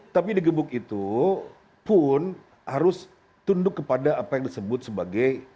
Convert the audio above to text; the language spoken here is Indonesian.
tapi digebuk itu pun harus tunduk kepada apa yang disebut sebagai